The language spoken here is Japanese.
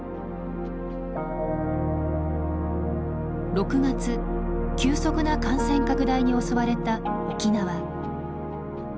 ６月急速な感染拡大に襲われた沖縄。